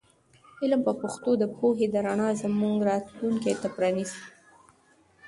علم په پښتو د پوهې د رڼا زموږ راتلونکي ته پرانیزي.